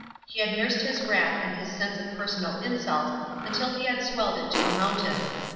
He had nursed his wrath and his sense of personal insult until he had swelled it into a mountain.